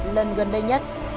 lần gần đây nhất